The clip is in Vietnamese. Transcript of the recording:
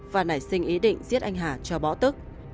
và nảy sinh ý định giết anh hà cho bỏ tức